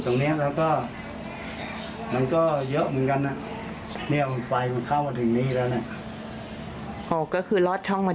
ตรงนี้แล้วก็มันก็เยอะเหมือนกันนะก็คือล๊อคช่องมา